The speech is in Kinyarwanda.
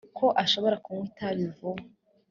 ko ashobora kunywa itabi vuba